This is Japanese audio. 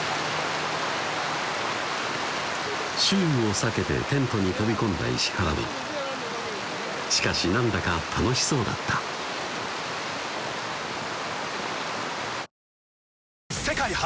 驟雨を避けてテントに飛び込んだ石原はしかし何だか楽しそうだった世界初！